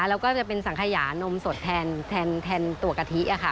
แล้วก็จะเป็นสังขยานมสดแทนตัวกะทิค่ะ